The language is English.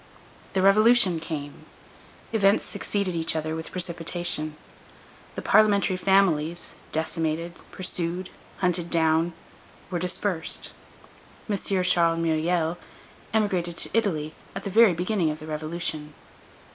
The Revolution came; events succeeded each other with precipitation; the parliamentary families, decimated, pursued, hunted down, were dispersed. M. Charles Myriel emigrated to Italy at the very beginning of the Revolution.